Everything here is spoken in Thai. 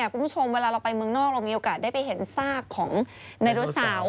คุณผู้ชมเวลาเราไปเมืองนอกเรามีโอกาสได้ไปเห็นซากของไนโรซาว